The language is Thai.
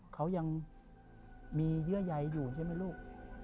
เขายังมีเยื่อใยอยู่ใช่ไหมลูก